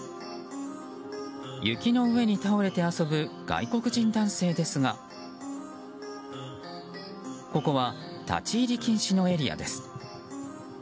雪の上に倒れて遊ぶ外国人男性ですがここは立ち入り禁止のエリアです。